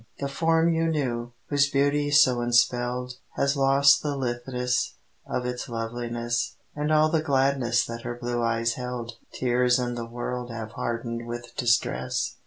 The form you knew, whose beauty so enspelled, Has lost the litheness of its loveliness: And all the gladness that her blue eyes held Tears and the world have hardened with distress."